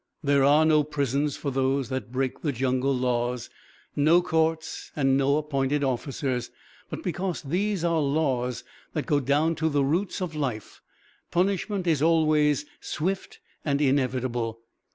There are no prisons for those that break the jungle laws, no courts and no appointed officers, but because these are laws that go down to the roots of life, punishment is always swift and inevitable.